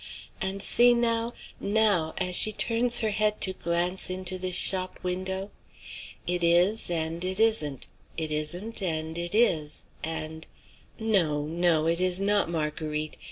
And see, now, now! as she turns her head to glance into this shop window! It is, and it isn't, it isn't, and it is, and no, no, it is not Marguerite!